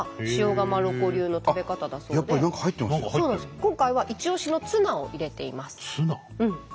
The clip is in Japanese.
今回はイチオシのツナを入れています。